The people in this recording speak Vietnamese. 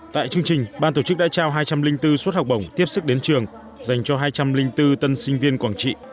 tại chương trình ban tổ chức đã trao hai trăm linh bốn suất học bổng tiếp sức đến trường dành cho hai trăm linh bốn tân sinh viên quảng trị